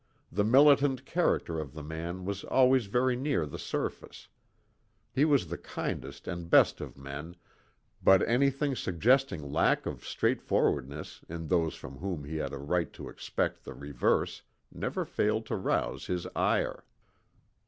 The militant character of the man was always very near the surface. He was the kindest and best of men, but anything suggesting lack of straightforwardness in those from whom he had a right to expect the reverse never failed to rouse his ire.